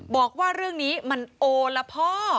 บอกว่าเรื่องนี้มันโอละพ่อ